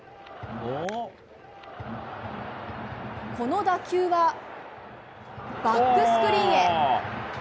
この打球はバックスクリーンへ。